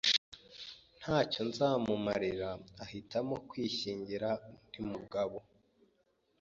ntacyo nzamumarira ahitamo kwishyingira n’undi mugabo